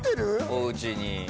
おうちに。